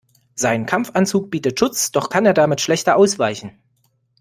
Sein Kampfanzug bietet Schutz, doch kann er damit schlechter ausweichen.